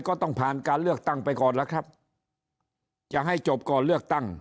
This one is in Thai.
ก็ต้องผ่านการเลือกตั้งไปก่อนแล้วครับจะให้จบก่อนเลือกตั้ง